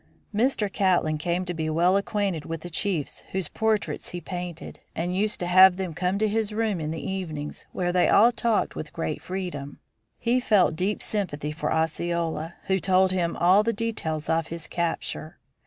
Mr. Catlin came to be well acquainted with the chiefs whose portraits he painted, and used to have them come to his room in the evenings, where they all talked with great freedom. He felt deep sympathy for Osceola, who told him all the details of his capture.